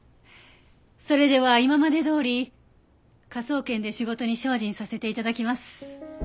それでは今までどおり科捜研で仕事に精進させて頂きます。